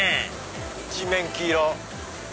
一面黄色！